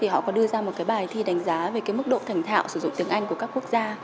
họ có đưa ra một cái bài thi đánh giá về mức độ thành thạo sử dụng tiếng anh của các quốc gia